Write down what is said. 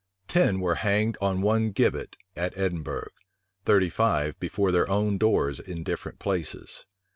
Ten were hanged on one gibbet at Edinburgh; thirty five before their own doors in different places.